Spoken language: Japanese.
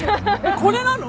これなの？